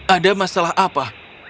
ada masalah apa